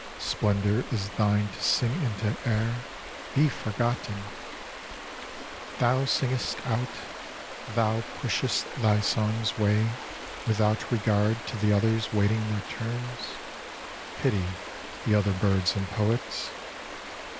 Splendour is thine to sing into air, be forgotten ! Thou singest out, thou pushest thy song's way, Without regard to the others waiting their turns, (Pity the other birds and poets